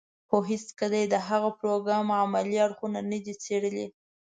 خو هېڅکله يې د هغه پروګرام عملي اړخونه نه دي څېړلي.